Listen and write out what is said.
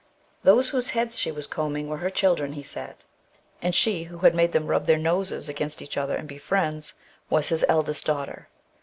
Those whose heads she was combing were her children, he said, and she who had made them rub their noses against each other and be friends, was his eldest daughter.